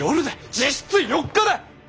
実質４日だ。